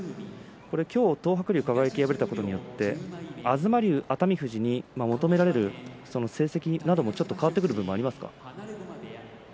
今日、東白龍と輝が敗れたことによって東龍と熱海富士に求められる成績なども変わってくる部分がありますか？